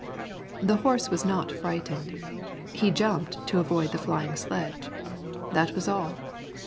The horse was not frightened. He jumped to avoid the flying sledge. That was all.